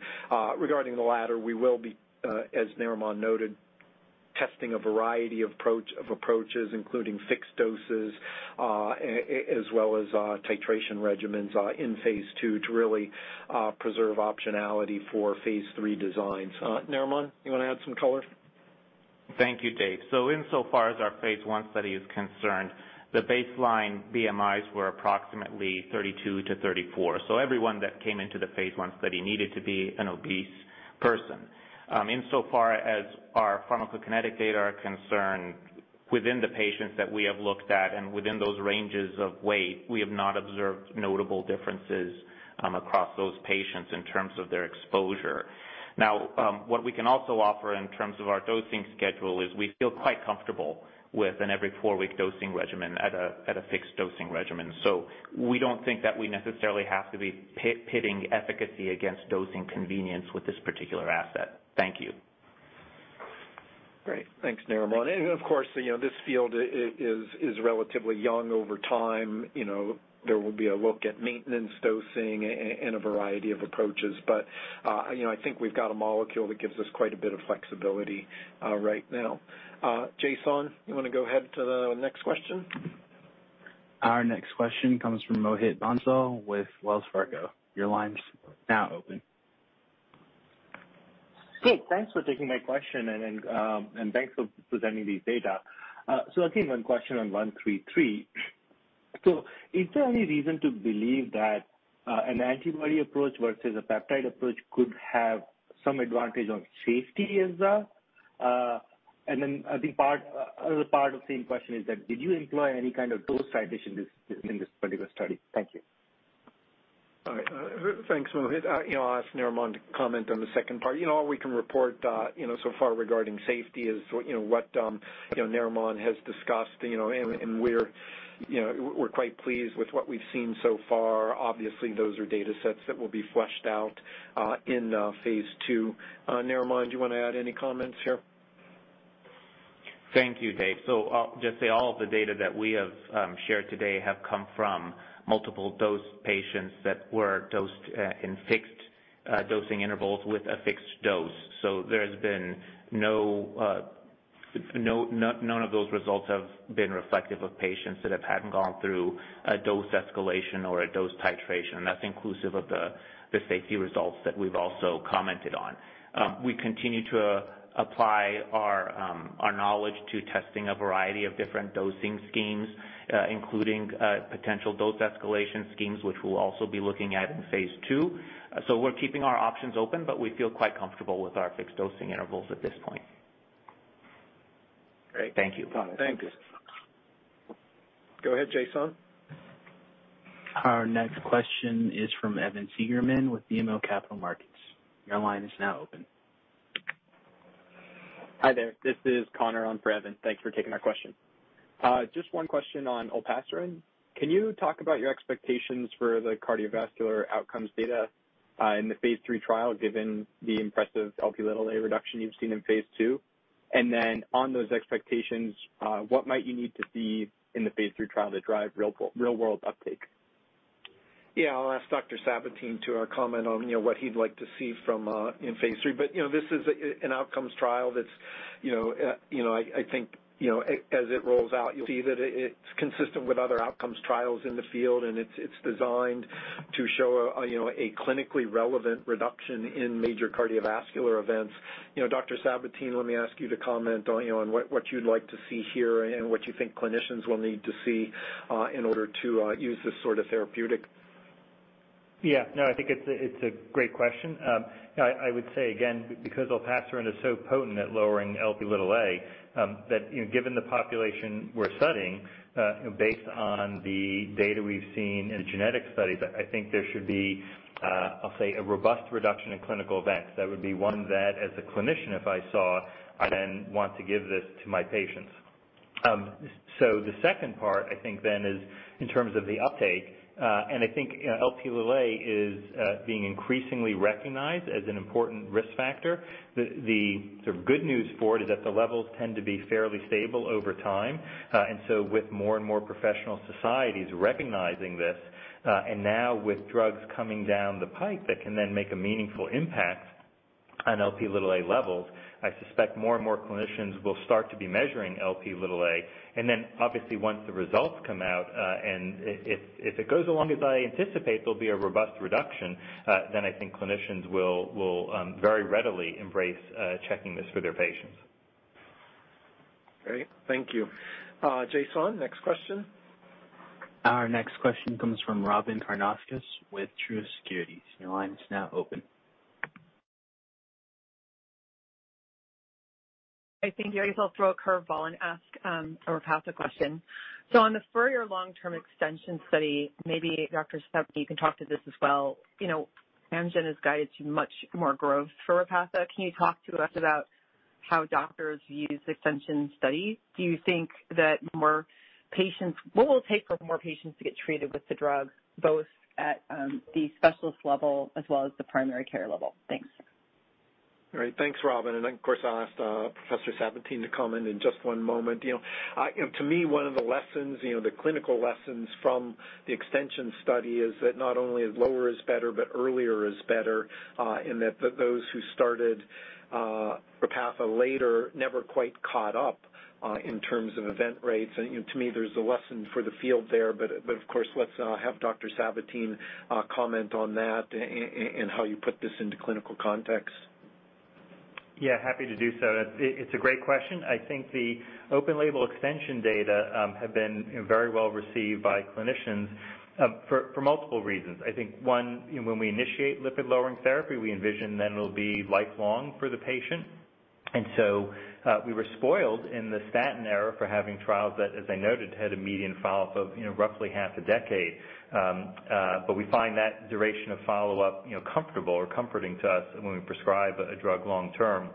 S2: Regarding the latter, we will be, as Narimon noted, testing a variety of approaches, including fixed doses, as well as titration regimens in phase II to really preserve optionality for phase III designs. Narimon, you want to add some color?
S5: Thank you, Dave. Insofar as our phase I study is concerned, the baseline BMIs were approximately 32-34. Everyone that came into the phase I study needed to be an obese person. Insofar as our pharmacokinetic data are concerned, within the patients that we have looked at and within those ranges of weight, we have not observed notable differences across those patients in terms of their exposure. What we can also offer in terms of our dosing schedule is we feel quite comfortable with an every 4-week dosing regimen at a fixed dosing regimen. We don't think that we necessarily have to be pitting efficacy against dosing convenience with this particular asset. Thank you.
S2: Great. Thanks, Narimon. Of course, this field is relatively young. Over time, there will be a look at maintenance dosing and a variety of approaches. I think we've got a molecule that gives us quite a bit of flexibility right now. Jason, you want to go ahead to the next question?
S1: Our next question comes from Mohit Bansal with Wells Fargo. Your line's now open.
S14: Hey, thanks for taking my question and thanks for presenting this data. Again, one question on 133. Is there any reason to believe that an antibody approach versus a peptide approach could have some advantage on safety as well? The other part of the same question is that did you employ any kind of dose titration in this particular study? Thank you.
S2: All right. Thanks, Mohit. I'll ask Narimon to comment on the second part. All we can report so far regarding safety is what Narimon has discussed, and we're quite pleased with what we've seen so far. Obviously, those are data sets that will be fleshed out in phase II. Narimon, do you want to add any comments here?
S5: Thank you, Dave. I'll just say all of the data that we have shared today have come from multiple dose patients that were dosed in fixed dosing intervals with a fixed dose. None of those results have been reflective of patients that hadn't gone through a dose escalation or a dose titration. That's inclusive of the safety results that we've also commented on. We continue to apply our knowledge to testing a variety of different dosing schemes, including potential dose escalation schemes, which we'll also be looking at in phase II. We're keeping our options open, but we feel quite comfortable with our fixed dosing intervals at this point.
S2: Great.
S14: Thank you.
S2: Got it. Thank you. Go ahead, Jason.
S1: Our next question is from Evan Seigerman with BMO Capital Markets. Your line is now open.
S15: Hi there. This is Connor on for Evan. Thanks for taking our question. Just one question on olpasiran. Can you talk about your expectations for the cardiovascular outcomes data in the phase III trial, given the impressive Lp(a) reduction you've seen in phase II? On those expectations, what might you need to see in the phase III trial to drive real world uptake?
S2: Yeah. I'll ask Dr. Sabatine to comment on what he'd like to see in phase III. This is an outcomes trial that I think as it rolls out, you'll see that it's consistent with other outcomes trials in the field, and it's designed to show a clinically relevant reduction in major cardiovascular events. Dr. Sabatine, let me ask you to comment on what you'd like to see here and what you think clinicians will need to see in order to use this sort of therapeutic.
S6: Yeah, no, I think it's a great question. I would say again, because olpasiran is so potent at lowering Lp(a) that given the population we're studying, based on the data we've seen in the genetic studies, I think there should be, I'll say, a robust reduction in clinical events. That would be one that as a clinician, if I saw, I then want to give this to my patients. The second part, I think then is in terms of the uptake, and I think Lp(a) is being increasingly recognized as an important risk factor. The sort of good news for it is that the levels tend to be fairly stable over time. With more and more professional societies recognizing this, and now with drugs coming down the pipe that can then make a meaningful impact on Lp(a) levels, I suspect more and more clinicians will start to be measuring Lp(a), and then obviously once the results come out, and if it goes along as I anticipate there'll be a robust reduction, then I think clinicians will very readily embrace checking this for their patients.
S2: Great. Thank you. Jason, next question.
S1: Our next question comes from Robyn Karnauskas with Truist Securities. Your line is now open.
S16: I think, Gary, I'll throw a curve ball and ask a Repatha question. On the further long-term extension study, maybe Dr. Sabatine, you can talk to this as well. Amgen has guided to much more growth for Repatha. Can you talk to us about how doctors use extension studies? Do you think that what will it take for more patients to get treated with the drug, both at the specialist level as well as the primary care level? Thanks.
S2: Great. Thanks, Robyn. Of course, I'll ask Professor Sabatine to comment in just one moment. To me, one of the clinical lessons from the extension study is that not only is lower is better, but earlier is better, in that those who started Repatha later never quite caught up in terms of event rates. To me, there's a lesson for the field there. Of course, let's have Dr. Sabatine comment on that and how you put this into clinical context.
S6: Happy to do so. It's a great question. I think the open label extension data have been very well received by clinicians for multiple reasons. I think one, when we initiate lipid-lowering therapy, we envision then it'll be lifelong for the patient. We were spoiled in the statin era for having trials that, as I noted, had a median follow-up of roughly half a decade. We find that duration of follow-up comfortable or comforting to us when we prescribe a drug long term.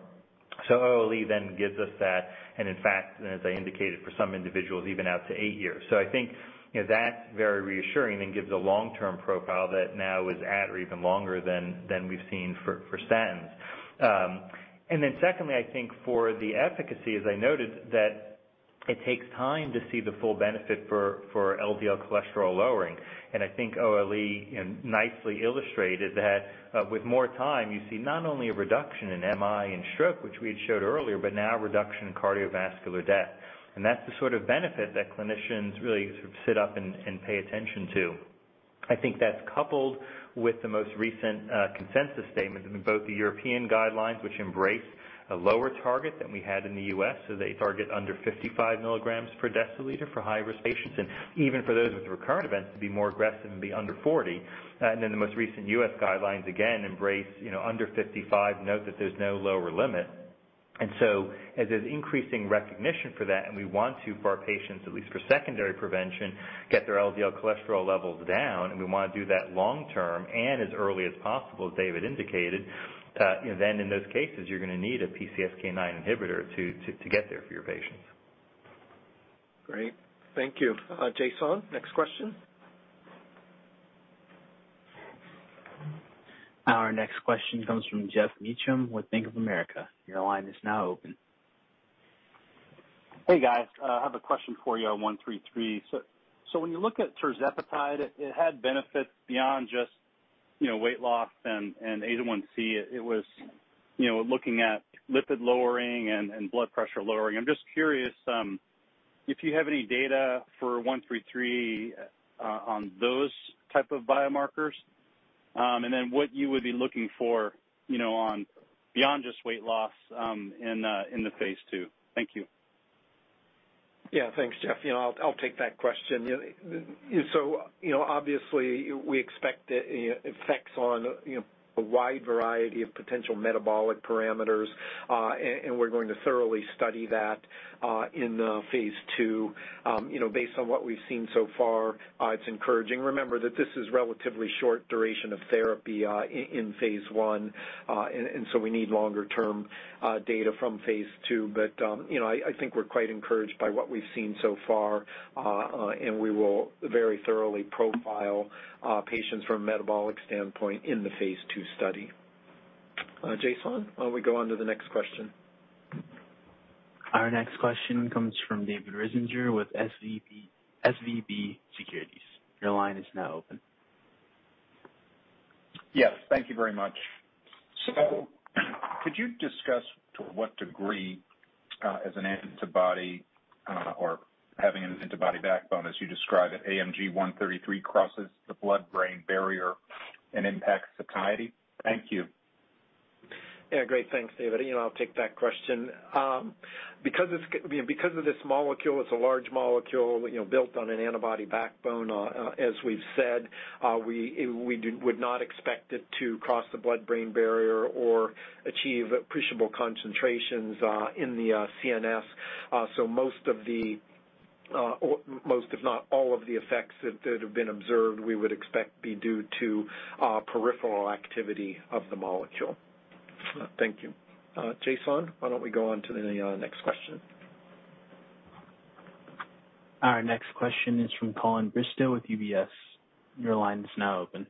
S6: OLE then gives us that, and in fact, as I indicated, for some individuals, even out to 8 years. I think that's very reassuring and gives a long-term profile that now is at or even longer than we've seen for statins. Secondly, I think for the efficacy, as I noted, that it takes time to see the full benefit for LDL cholesterol lowering. I think OLE nicely illustrated that with more time, you see not only a reduction in MI and stroke, which we had showed earlier, but now a reduction in cardiovascular death. That's the sort of benefit that clinicians really sort of sit up and pay attention to. I think that's coupled with the most recent consensus statement in both the European guidelines, which embrace a lower target than we had in the U.S., so they target under 55 milligrams per deciliter for high-risk patients, and even for those with recurrent events to be more aggressive and be under 40. The most recent U.S. guidelines, again, embrace under 55, note that there's no lower limit. As there's increasing recognition for that, and we want to, for our patients, at least for secondary prevention, get their LDL cholesterol levels down, and we want to do that long term and as early as possible, as David indicated. In those cases, you're going to need a PCSK9 inhibitor to get there for your patients.
S2: Great. Thank you. Jason, next question.
S1: Our next question comes from Geoff Meacham with Bank of America. Your line is now open.
S17: Hey, guys. I have a question for you on AMG 133. When you look at tirzepatide, it had benefits beyond just weight loss and HbA1c. It was looking at lipid lowering and blood pressure lowering. I am just curious if you have any data for AMG 133 on those type of biomarkers, and then what you would be looking for beyond just weight loss in the phase II. Thank you.
S2: Yeah. Thanks, Geoff. I will take that question. Obviously we expect effects on a wide variety of potential metabolic parameters, and we are going to thoroughly study that in phase II. Based on what we have seen so far, it is encouraging. Remember that this is relatively short duration of therapy in phase I, and so we need longer-term data from phase II. I think we are quite encouraged by what we have seen so far, and we will very thoroughly profile patients from a metabolic standpoint in the phase II study. Jason, why don't we go on to the next question?
S1: Our next question comes from David Risinger with SVB Securities. Your line is now open.
S18: Yes. Thank you very much. Could you discuss to what degree as an antibody or having an antibody backbone, as you describe it, AMG 133 crosses the blood-brain barrier and impacts satiety? Thank you.
S2: Yeah, great. Thanks, David. I'll take that question. Because of this molecule, it's a large molecule built on an antibody backbone, as we've said, we would not expect it to cross the blood-brain barrier or achieve appreciable concentrations in the CNS. Most if not all of the effects that have been observed, we would expect be due to peripheral activity of the molecule. Thank you. Jason, why don't we go on to the next question?
S1: Our next question is from Colin Bristow with UBS. Your line is now open.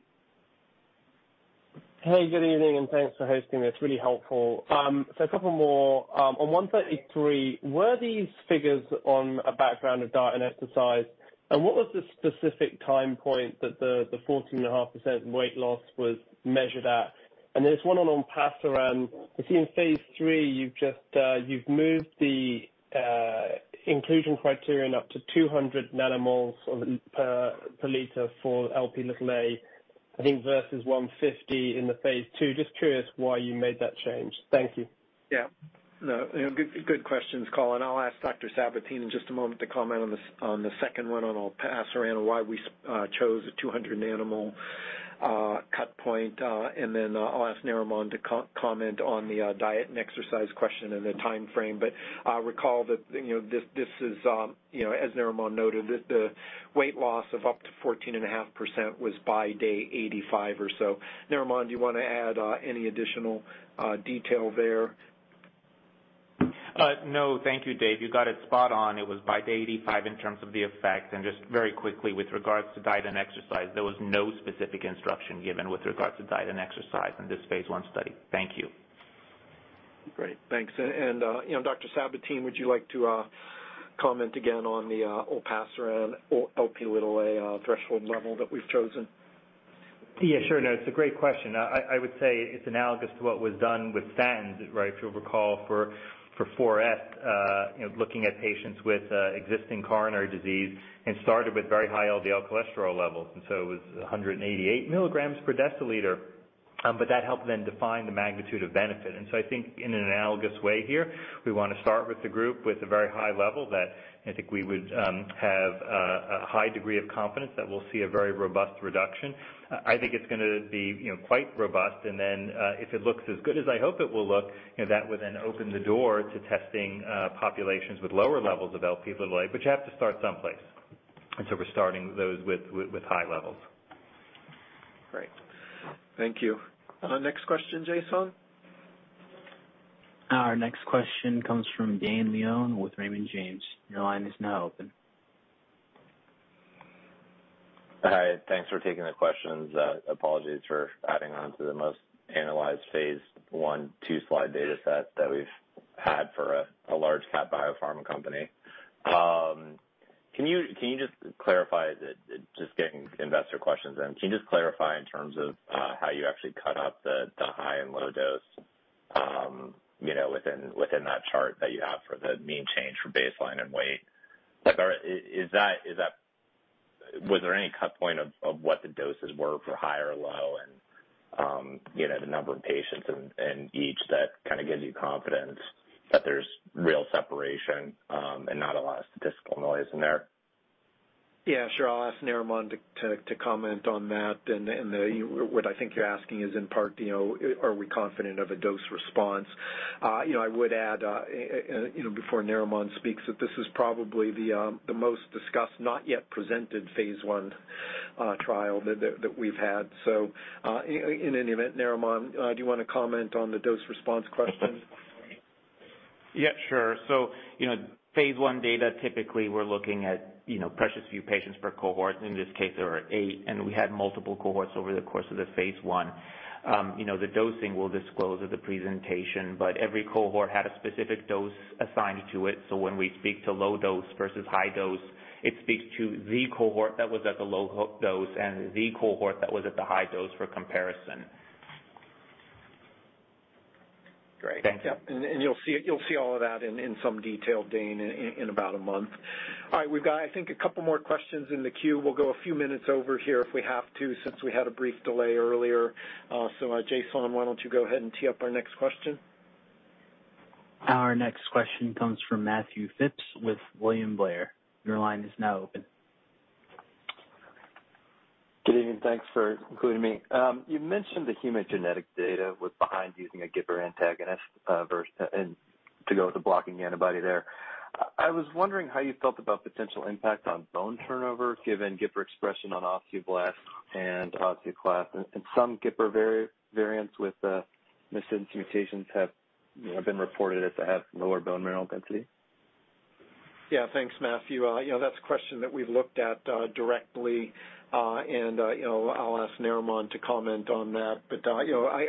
S19: Good evening, and thanks for hosting this. Really helpful. A couple more. On 133, were these figures on a background of diet and exercise, and what was the specific time point that the 14.5% weight loss was measured at? Just one on Repatha. I see in phase III you've moved the inclusion criterion up to 200 nanomoles per liter for Lp(a), I think versus 150 in the phase II. Just curious why you made that change. Thank you.
S2: Good questions, Colin. I'll ask Dr. Sabatine in just a moment to comment on the second one, on olpasiran why we chose a 200 nanomole cut point. I'll ask Narimon to comment on the diet and exercise question and the timeframe. Recall that, as Narimon noted, the weight loss of up to 14.5% was by day 85 or so. Narimon, do you want to add any additional detail there?
S5: Thank you, Dave. You got it spot on. It was by day 85 in terms of the effect. Just very quickly, with regards to diet and exercise, there was no specific instruction given with regards to diet and exercise in this phase I study. Thank you.
S2: Great. Thanks. Dr. Sabatine, would you like to comment again on the olpasiran Lp(a) threshold level that we've chosen?
S6: Yeah, sure. No, it's a great question. I would say it's analogous to what was done with statins, right? If you'll recall for 4S, looking at patients with existing coronary disease and started with very high LDL cholesterol levels, and so it was 188 milligrams per deciliter. That helped then define the magnitude of benefit. I think in an analogous way here, we want to start with the group with a very high level that I think we would have a high degree of confidence that we'll see a very robust reduction. I think it's going to be quite robust, and then, if it looks as good as I hope it will look, that would then open the door to testing populations with lower levels of Lp(a), but you have to start someplace. We're starting those with high levels.
S2: Great. Thank you. Next question, Jason.
S1: Our next question comes from Dane Leone with Raymond James. Your line is now open.
S20: Hi. Thanks for taking the questions. Apologies for adding onto the most analyzed phase I two-slide dataset that we've had for a large cap biopharma company. Just getting investor questions in. Can you just clarify in terms of how you actually cut up the high and low dose within that chart that you have for the mean change for baseline and weight? Was there any cut point of what the doses were for high or low and the number of patients in each that kind of gives you confidence that there's real separation and not a lot of statistical noise in there?
S2: Yeah, sure. I'll ask Narimon to comment on that. What I think you're asking is in part, are we confident of a dose response? I would add, before Narimon speaks, that this is probably the most discussed, not yet presented phase I trial that we've had. In any event, Narimon, do you want to comment on the dose response question?
S5: Yeah, sure. Phase I data, typically, we're looking at precious few patients per cohort. In this case, there were eight, and we had multiple cohorts over the course of the phase I. The dosing we'll disclose at the presentation, but every cohort had a specific dose assigned to it. When we speak to low dose versus high dose, it speaks to the cohort that was at the low dose and the cohort that was at the high dose for comparison.
S2: Great. Thank you. Yeah. You'll see all of that in some detail, Dane, in about a month. All right. We've got, I think, a couple more questions in the queue. We'll go a few minutes over here if we have to, since we had a brief delay earlier. Jason, why don't you go ahead and tee up our next question?
S1: Our next question comes from Matt Phipps with William Blair. Your line is now open.
S21: Good evening. Thanks for including me. You mentioned the human genetic data was behind using a GIPR antagonist to go with the blocking antibody there. I was wondering how you felt about potential impact on bone turnover given GIPR expression on osteoblasts and osteoclasts, and some GIPR variants with missense mutations have been reported as they have lower bone mineral density.
S2: Yeah, thanks, Matthew. That's a question that we've looked at directly. I'll ask Narimon to comment on that.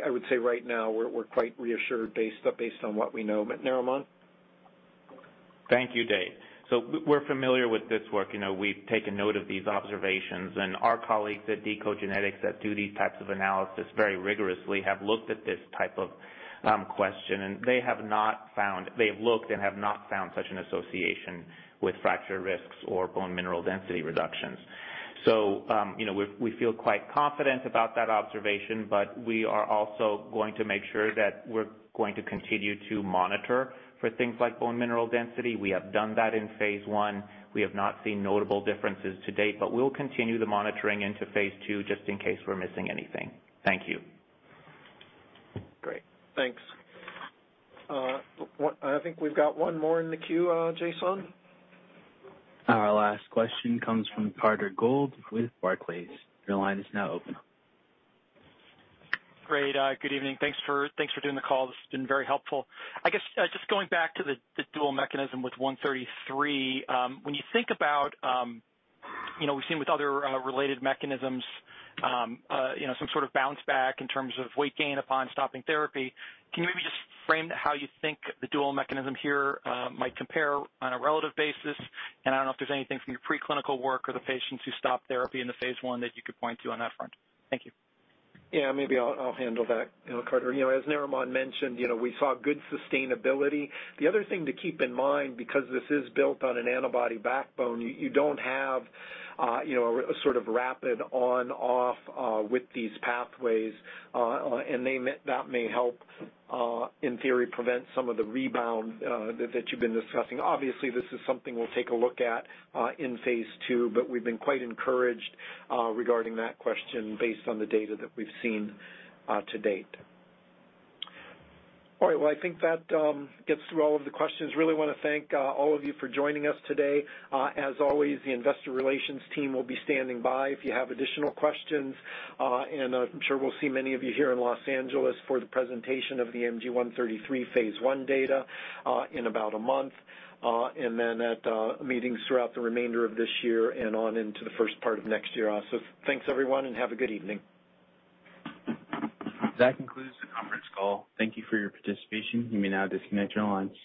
S2: I would say right now we're quite reassured based on what we know. Narimon?
S5: Thank you, Dave. We're familiar with this work. We've taken note of these observations. Our colleagues at deCODE genetics that do these types of analysis very rigorously have looked at this type of question, and they have looked and have not found such an association with fracture risks or bone mineral density reductions. We feel quite confident about that observation, but we are also going to make sure that we're going to continue to monitor for things like bone mineral density. We have done that in phase I. We have not seen notable differences to date, but we'll continue the monitoring into phase II just in case we're missing anything. Thank you.
S2: Great. Thanks. I think we've got one more in the queue, Jason.
S1: Our last question comes from Carter Gould with Barclays. Your line is now open.
S22: Great. Good evening. Thanks for doing the call. This has been very helpful. I guess, just going back to the dual mechanism with 133. We've seen with other related mechanisms some sort of bounce back in terms of weight gain upon stopping therapy. Can you maybe just frame how you think the dual mechanism here might compare on a relative basis? I don't know if there's anything from your preclinical work or the patients who stopped therapy in the phase I that you could point to on that front. Thank you.
S2: Yeah, maybe I'll handle that, Carter. As Narimon mentioned, we saw good sustainability. The other thing to keep in mind, because this is built on an antibody backbone, you don't have a sort of rapid on/off with these pathways. That may help, in theory, prevent some of the rebound that you've been discussing. Obviously, this is something we'll take a look at in phase II, but we've been quite encouraged regarding that question based on the data that we've seen to date. All right. Well, I think that gets through all of the questions. Really want to thank all of you for joining us today. As always, the investor relations team will be standing by if you have additional questions. I'm sure we'll see many of you here in Los Angeles for the presentation of the AMG 133 phase I data in about a month. At meetings throughout the remainder of this year and on into the first part of next year also. Thanks everyone, and have a good evening.
S1: That concludes the conference call. Thank you for your participation. You may now disconnect your lines.